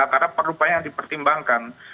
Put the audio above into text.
karena perlupanya yang dipertimbangkan